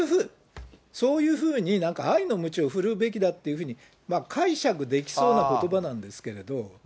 そういうふうに、なんか愛のむちを振るうべきだというふうに、解釈できそうなことばなんですけれども。